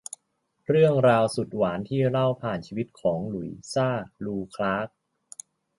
เรื่องราวสุดหวานที่เล่าผ่านชีวิตของ หลุยซ่า ลู คล้าก